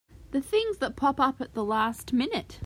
The things that pop up at the last minute!